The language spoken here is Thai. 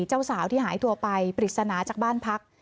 เจ้าสาวที่หายตัวไปปริศนาจากบ้านพัก